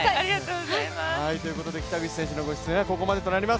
北口選手のご出演はここまでとなります。